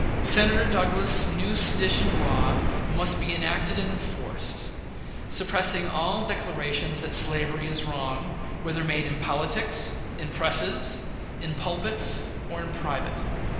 Senator Douglas's new sedition law must be enacted and enforced, suppressing all declarations that slavery is wrong, whether made in politics, in presses, in pulpits; or in private.